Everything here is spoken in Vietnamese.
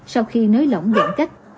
sau khi nới lỏng giãn cách